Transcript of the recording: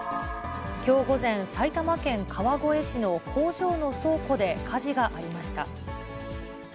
きょう午前、埼玉県川越市の工場の倉庫で火事がありました。